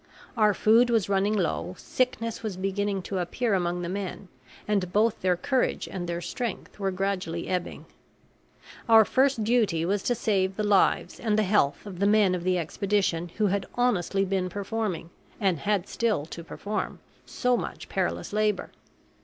Our food was running low, sickness was beginning to appear among the men, and both their courage and their strength were gradually ebbing. Our first duty was to save the lives and the health of the men of the expedition who had honestly been performing, and had still to perform, so much perilous labor.